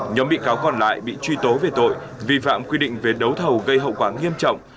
nhóm bị cáo còn lại bị truy tố về tội vi phạm quy định về đấu thầu gây hậu quả nghiêm trọng